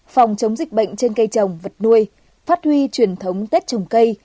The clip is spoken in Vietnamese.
phòng chống dịch bệnh trên cây trồng vật nuôi phát huy truyền thống tết trồng cây